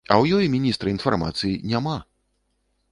А ў ёй міністра інфармацыі няма!